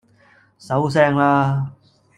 收聲啦